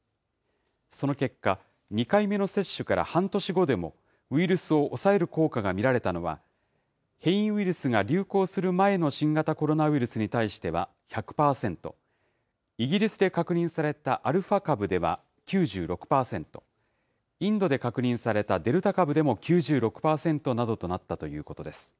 その結果、２回目の接種から半年後でも、ウイルスを抑える効果が見られたのは、変異ウイルスが流行する前の新型コロナウイルスに対しては１００％、イギリスで確認されたアルファ株では９６％、インドで確認されたデルタ株でも９６％などとなったということです。